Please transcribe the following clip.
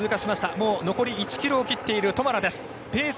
もう残り１ｋｍを切っているトマラです。